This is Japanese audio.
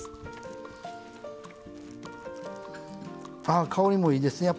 ああ香りもいいですね。